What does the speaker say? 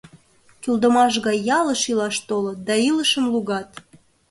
Кӱлдымаш гай ялыш илаш толыт да илышым лугат...